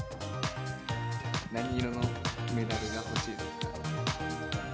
何色のメダルが欲しいですか？